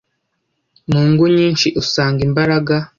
Mu ngo nyinshi usanga imbaraga,